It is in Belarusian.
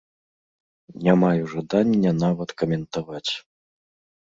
Не маю жадання нават каментаваць.